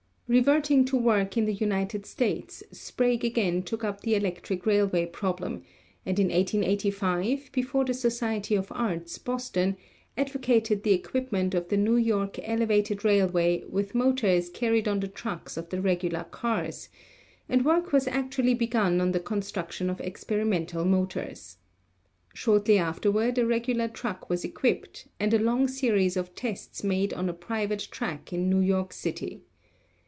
Reverting to work in the United States, Sprague again took up the electric railway problem, and in 1885, before the Society of Arts, Boston, advocated the equipment of the New York Elevated Railway with motors carried on the trucks of the regular cars, and work was actually begun on the construction of experimental motors. Shortly afterward a regular truck was equipped and a long series of tests made on a private track in New York City.